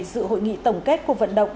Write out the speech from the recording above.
dự hội nghị tổng kết cuộc vận động